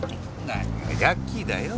何がヤッキーだよ。